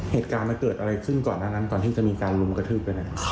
เหตุการณ์มันเกิดอะไรขึ้นก่อนหน้านั้นก่อนที่จะมีการลุมกระทืบกัน